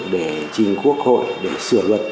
để trình quốc hội để sửa luật